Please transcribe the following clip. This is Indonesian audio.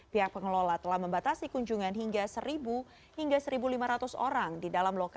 pihak pengelola telah membatasi kunjungan hingga seribu hingga seribu lima ratus orang di dalam lokasi